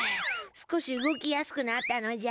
少し動きやすくなったのじゃ。